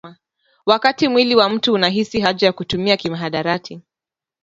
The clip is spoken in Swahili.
Wakati mwili wa mtu unahisi haja ya kutumia mihadarati